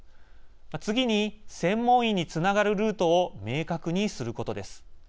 次に、専門医につながるルートを明確にすることです。